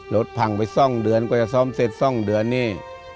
รถผังไปซ่อมเดือนก็จะซ่อมเสร็จซ่อมเดือนนี่